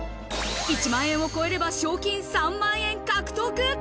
１万円を超えれば賞金３万円獲得。